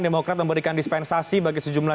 demokrat memberikan dispensasi bagi sejumlah